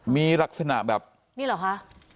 มีลักษณะแบบนี้เหรอคะ